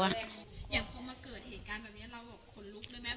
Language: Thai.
อย่างพอมาเกิดเหตุการณ์แบบนี้เราแบบขนลุกเลยไหม